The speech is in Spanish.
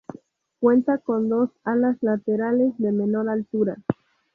Cuenta con dos alas laterales de menor altura.